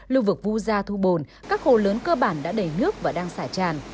lưu vực vu gia thu bồn các hồ lớn cơ bản đã đầy nước và đang xả tràn